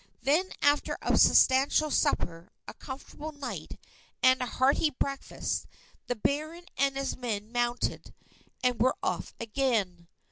Then after a substantial supper, a comfortable night and a hearty breakfast, the Baron and his men mounted and were off again.